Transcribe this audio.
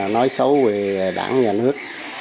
nói xấu về đảng nhà nước